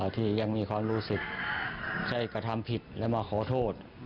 ที่ยังมีความรู้สึกได้กระทำผิดและมาขอโทษ